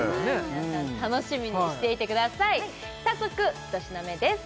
皆さん楽しみにしていてください早速１品目です